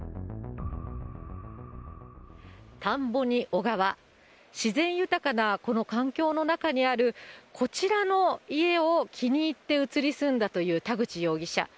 田んぼに小川、自然豊かなこの環境の中にある、こちらの家を気に入って移り住んだという田口容疑者。